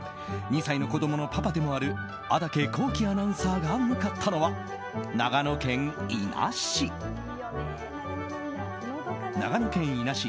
２歳の子供のパパでもある安宅晃樹アナウンサーが向かったのは長野県伊那市。